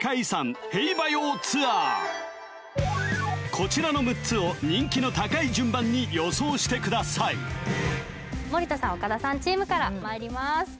こちらの６つを人気の高い順番に予想してください森田さん岡田さんチームからまいります